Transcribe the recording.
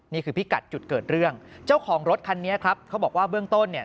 พิกัดจุดเกิดเรื่องเจ้าของรถคันนี้ครับเขาบอกว่าเบื้องต้นเนี่ย